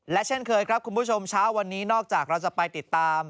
และเช่นเคยครับคุณผู้ชมเช้าวันนี้นอกจากเราจะไปติดตาม